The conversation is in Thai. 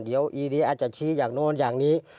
เดี๋ยวอีเดียอาจจะชี้อย่างโน้นอย่างนี้